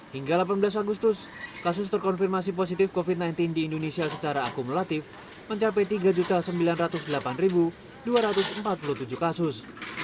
hingga delapan belas agustus kasus terkonfirmasi positif covid sembilan belas di indonesia secara akumulatif mencapai tiga sembilan ratus delapan dua ratus empat puluh tujuh kasus